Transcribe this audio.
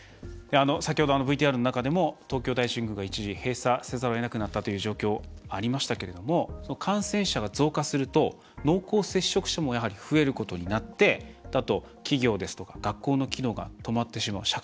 先ほどＶＴＲの中でも東京大神宮が一時閉鎖せざるをえなくなったという状況がありましたけれども感染者が増加すると濃厚接触者も増えることになってあと、企業ですとか学校の機能が止まってしまう。